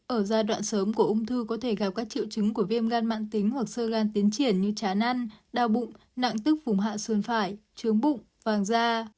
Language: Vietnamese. ở giai đoạn sớm của ung thư có thể gặp các triệu chứng của viêm gan mạng tính hoặc sơ gan tiến triển như trá ăn đau bụng nặng tức vùng hạ xuồng phải trướng bụng vàng da